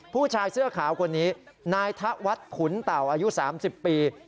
ผู้ชายเสื้อขาวคนนี้นายธวัฒน์ขุนเต่าอายุ๓๐ปี